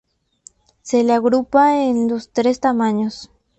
Se le agrupa en los tres tamaños.